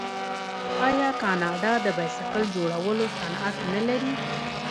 آیا کاناډا د بایسکل جوړولو صنعت نلري؟